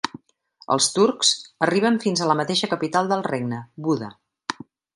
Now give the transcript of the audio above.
Els turcs arriben fins a la mateixa capital del regne, Buda.